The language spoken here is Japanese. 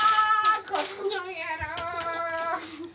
この野郎！